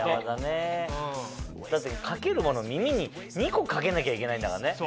だって掛けるもの耳に２個掛けなきゃいけないんだからね。